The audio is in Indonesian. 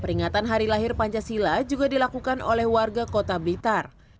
peringatan hari lahir pancasila juga dilakukan oleh warga kota blitar